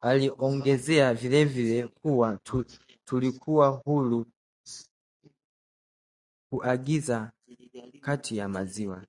Aliongezea vilevile kuwa tulikuwa huru kuagiza kati ya maziwa